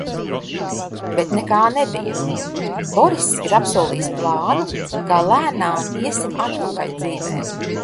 Bet nekā nebija! Boriss ir apsolījis plānu, kā lēnām iesim atpakaļ dzīvē.